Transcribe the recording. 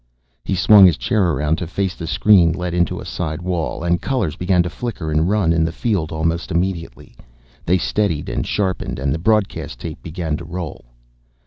He swung his chair around to face the screen let into a side wall, and colors began to flicker and run in the field almost immediately. They steadied and sharpened, and the broadcast tape began to roll.